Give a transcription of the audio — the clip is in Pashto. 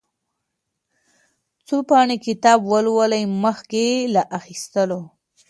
څو پاڼې کتاب ولولئ مخکې له اخيستلو.